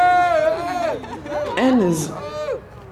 Anez!